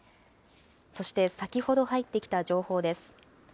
そして先ほど入ってきた情報です。